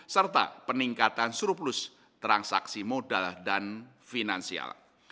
serta peningkatan surplus transaksi modal dan finansial